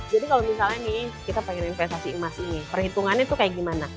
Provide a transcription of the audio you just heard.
jadi kalau misalnya nih kita ingin investasi emas ini perhitungannya itu kayak gimana